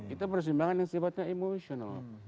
itu pertimbangan yang sifatnya emosional